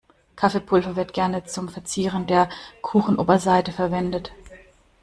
Kaffeepulver wird gerne zum Verzieren der Kuchenoberseite verwendet.